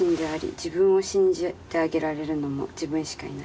「自分を信じてあげられるのも自分しかいない！！」